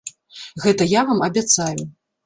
Гэта я вам абяцаю!